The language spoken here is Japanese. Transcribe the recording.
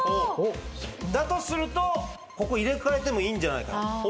だとするとここ入れ替えてもいいんじゃないか。